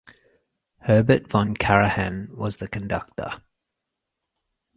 Herbert von Karajan was the conductor.